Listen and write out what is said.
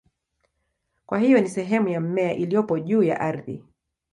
Kwa hiyo ni sehemu ya mmea iliyopo juu ya ardhi.